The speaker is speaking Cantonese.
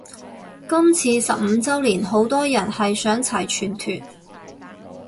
今次十五周年好多人係想齊全團